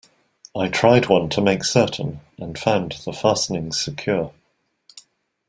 I tried one to make certain, and found the fastenings secure.